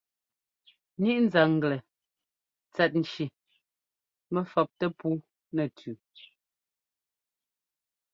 Ŋíʼ nzanglɛ tsɛt nci mɛ fɛptɛ puu nɛ tʉ́.